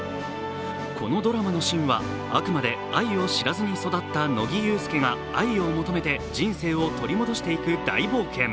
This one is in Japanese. このドラマの芯はあくまで愛を知らずに育った乃木憂助が愛を求めて人生を取り戻していく大冒険。